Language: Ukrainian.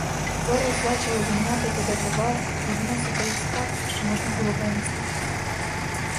Зараз зачали зганяти туди товар і виносити із хат, що можна було винести.